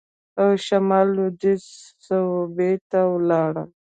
او شمال لوېدیځې صوبې ته ولاړل.